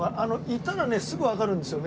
いたらねすぐわかるんですよ